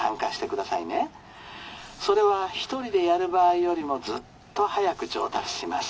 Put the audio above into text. それは一人でやる場合よりもずっと早く上達します。